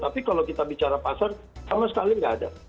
tapi kalau kita bicara pasar sama sekali nggak ada